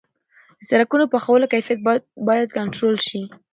د سرکونو د پخولو کیفیت باید کنټرول شي.